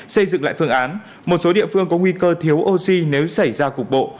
xây dựng lại phương án một số địa phương có nguy cơ thiếu oxy nếu xảy ra cục bộ